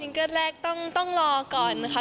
เกิ้ลแรกต้องรอก่อนค่ะ